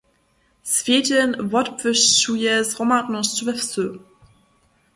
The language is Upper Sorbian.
Swjedźeń wotbłyšćuje zhromadnosć we wsy.